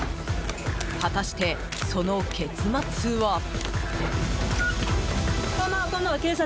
果たして、その結末は。